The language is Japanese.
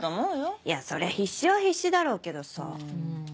いやそりゃ必死は必死だろうけどさ。